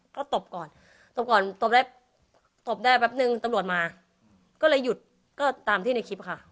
ก็ตบก่อนตบก่อนตบได้ตบได้แป๊บนึงตำรวจมาก็เลยหยุดก็ตามที่ในคลิปค่ะ